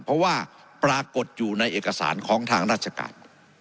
เพราะว่าปรากฏอยู่ในเอกสารของทางราชการ